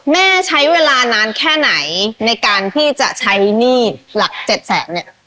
แม่ใช้เวลานานแค่ไหนในการที่จะใช้หนี้หลักเจ็ดแสนเนี่ย